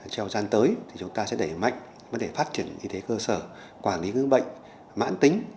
trong gian tới thì chúng ta sẽ đẩy mạnh để phát triển y tế cơ sở quản lý những bệnh mạng tính